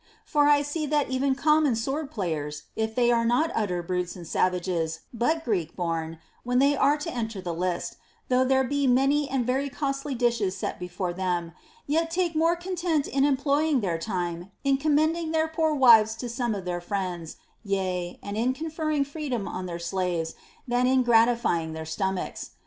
For I see that even common sword players, if they are not utter brutes and sav ages, but Greek born, when they are to enter the list, though there be many and very costly dishes set before them, yet take more content in employing their time in commending their poor wives to some of their friends, yea, and in conferring freedom on their slaves, than in gratify ing their stomachs.